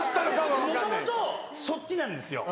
もともとそっちなんですよ。